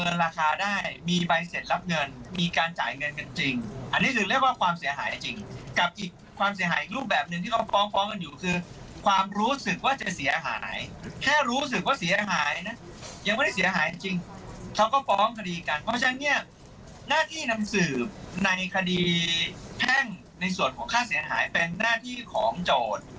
ยังไม่ได้เสียหายจริงเขาก็ป้องคดีการเพราะฉะนั้นหน้าที่นำสืบในคดีแพ่งในส่วนของค่าเสียหายเป็นหน้าที่ของโจทย์